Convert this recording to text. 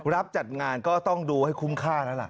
รับจัดงานก็ต้องดูให้คุ้มค่าแล้วล่ะ